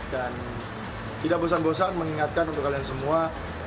dan tidak bosan bosan mengingatkan untuk kalian semua